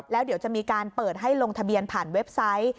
แล้วเดี๋ยวจะมีการเปิดให้ลงทะเบียนผ่านเว็บไซต์